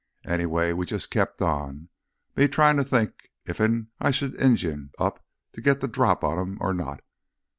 Anyway we jus' kept on, with me tryin' to think iffen I should Injun up to git th' drop on 'em or not.